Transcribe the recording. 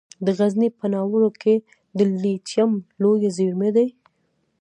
د غزني په ناوور کې د لیتیم لویې زیرمې دي.